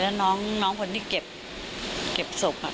แล้วน้องคนที่เก็บศพ